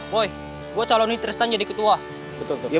woy gue calonin tristan jadi ketua